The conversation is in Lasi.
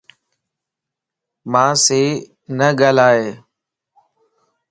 مانسين نه ڳالھائي